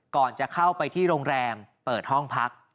ก่อนจะเข้าไปที่โรงแรมเปิดห้องพัก